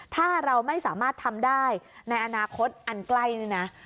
ถ้าเราไม่สามารถทำได้ในอนาคตอันใกล้นี่นะ